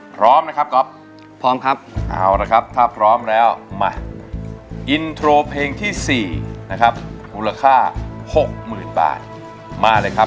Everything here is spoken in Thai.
พร้อมครับเอาละครับถ้าพร้อมแล้วมาอินโทรเพลงที่สี่นะครับรูปราคาหกหมื่นบาทมาเลยครับ